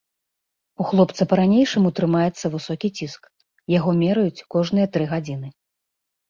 У хлопца па-ранейшаму трымаецца высокі ціск, яго мераюць кожныя тры гадзіны.